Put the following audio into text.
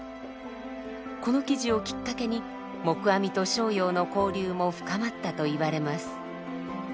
この記事をきっかけに黙阿弥と逍遙の交流も深まったといわれます。